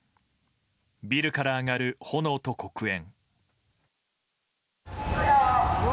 ビルから上がる炎と黒煙。